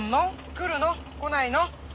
来るの？来ないの？